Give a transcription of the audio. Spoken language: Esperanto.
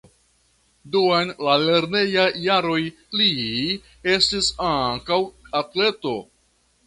Dum la lernejaj jaroj li estis ankaŭ atleto.